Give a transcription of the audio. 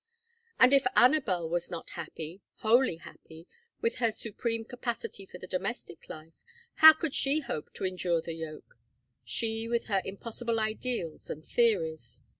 And if Anabel was not happy wholly happy with her supreme capacity for the domestic life, how could she hope to endure the yoke? She with her impossible ideals and theories?